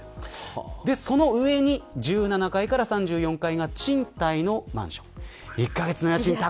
その上に１７階から３４階が賃貸のマンション。